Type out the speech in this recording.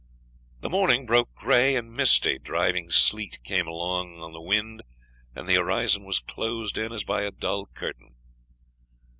The morning broke gray and misty, driving sleet came along on the wind, and the horizon was closed in as by a dull curtain.